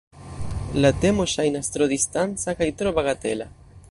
La temo ŝajnas tro distanca kaj tro bagatela.